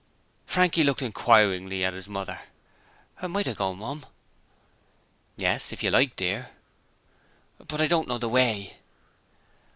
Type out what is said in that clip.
Frankie looked inquiringly at his mother. 'Might I go, Mum?' 'Yes, if you like, dear.' 'But I don't know the way.'